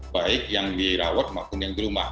baik yang dirawat maupun yang di rumah